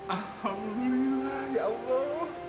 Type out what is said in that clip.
alhamdulillah ya allah